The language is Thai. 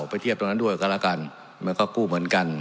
ไปเทียบตรงนั้นด้วยก็แล้วกันมันก็กู้เหมือนกัน